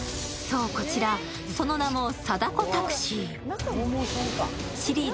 そう、こちら、その名も貞子タクシー。